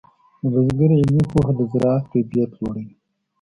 د بزګر علمي پوهه د زراعت کیفیت لوړوي.